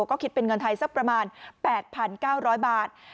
ก็คิดเป็นเงินไทยสักประมาณ๘๙๐๐บาท